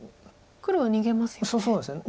黒は逃げますよね。